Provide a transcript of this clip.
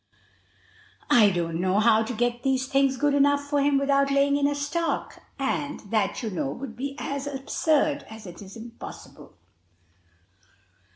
I don't know how to get these things good enough for him without laying in a stock; and, that you know, would be as absurd as it is impossible."